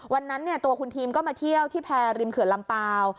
วันนั้นตัวคุณทีมก็มาเที่ยวที่แพร่ริมเขื่อนลำเปล่า